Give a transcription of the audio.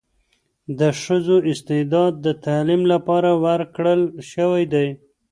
د ښځو استعداد د تعلیم لپاره ورکړل شوی دی.